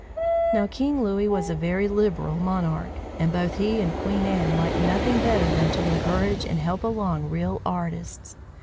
Now King Louis was a very liberal monarch, and both he and Queen Anne liked nothing better than to encourage and help along real artists.